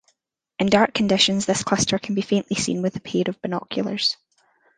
In dark conditions this cluster can be faintly seen with a pair of binoculars.